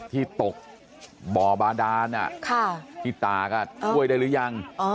ที่ตกบ่อบาดานที่ตากช่วยได้หรือยัง